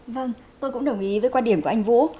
vâng tôi cũng đồng ý với quan điểm của anh vũ